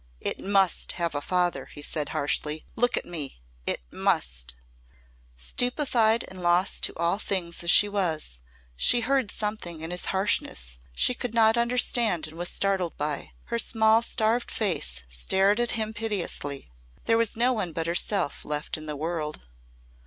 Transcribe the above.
"It must have a father," he said, harshly. "Look at me. It must." Stupefied and lost to all things as she was, she heard something in his harshness she could not understand and was startled by. Her small starved face stared at him piteously. There was no one but herself left in the world.